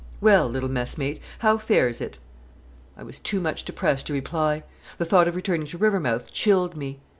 "'Well, little messmate, how fares it?" I was too much depressed to reply. The thought of returning to Rivermouth chilled me.